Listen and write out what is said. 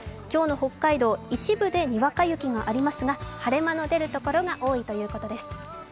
今日の北海道、一部でにわか雪がありますが、晴れ間の出るところが多いということです。